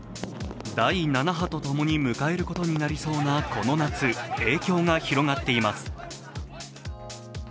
第７波と共に迎えることになりそうなこの夏、影響が広がっています。